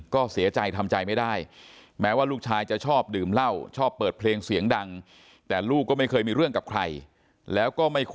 ก็เสียใจทำใจไม่ได้แม้ว่าลูกชายจะชอบดื่มเหล้า